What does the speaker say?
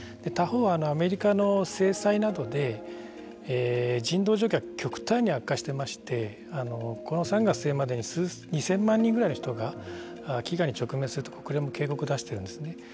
他方、アメリカの制裁などで人道状況は極端に悪化していましてこの３月末までに２０００万人ぐらいの人が飢餓に直面すると国連も警告を出しているんですね。